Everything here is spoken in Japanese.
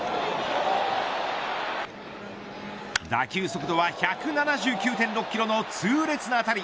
打球速度は１７９．６キロの痛烈な当たり。